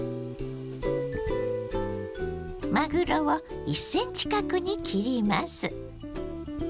まぐろを１ｃｍ角に切ります。